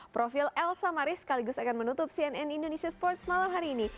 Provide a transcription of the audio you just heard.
profil elsa maris sekaligus akan menutup cnn indonesia sports malam hari ini